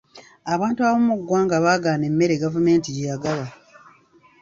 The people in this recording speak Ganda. Abantu abamu mu ggwanga baagaana emmere gavumenti gye yagaba.